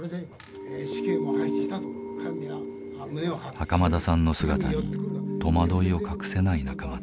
袴田さんの姿に戸惑いを隠せない仲間たち。